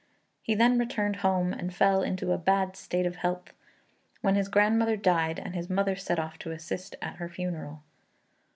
He then returned home and fell into a bad state of health, when his grandmother died and his mother set off to assist at her funeral.